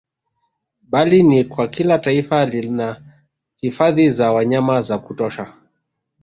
Bali ni kwa kila taifa lina hifadhi za wanyama za kutosha